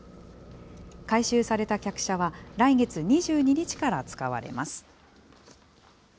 改修された客車は来月２２日から使われます。